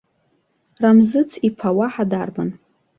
Рамзыц иԥа, уаҳа дарбан?